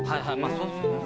そうですよね。